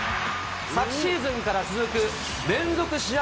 昨シーズンから続く、連続試合